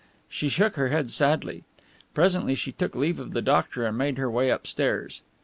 She shook her head sadly. Presently she took leave of the doctor and made her way upstairs.